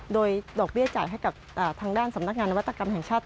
โดยดอกเบี้ยจ่ายให้กับทางด้านสำนักงานนวัตกรรมแห่งชาติ